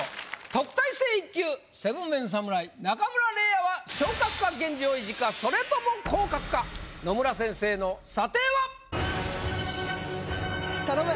特待生１級７ＭＥＮ侍中村嶺亜はそれとも野村先生の査定は⁉頼む。